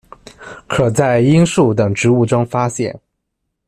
可在罂粟等植物中发现。